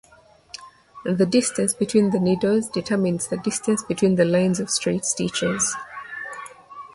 The distance between the needles determines the distance between the lines of straight stitches.